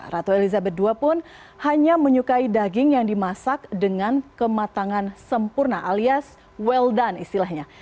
ratu elizabeth ii pun hanya menyukai daging yang dimasak dengan kematangan sempurna alias well done istilahnya